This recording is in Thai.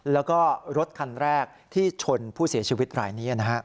แล้วก็รถคันแรกที่ชนผู้เสียชีวิตรายนี้